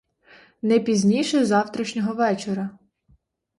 Не пізніше завтрашнього вечора.